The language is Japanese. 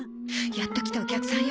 やっと来たお客さんよ。